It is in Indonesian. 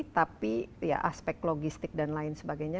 tapi ya aspek logistik dan lain sebagainya